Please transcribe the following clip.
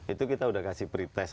itu kita udah kasih pretest